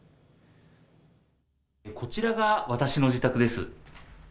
こちらが私の自宅です。